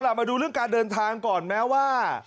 มาดูเรื่องการเดินทางก่อนแม้ว่า